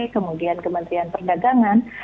kemudian kementerian perdagangan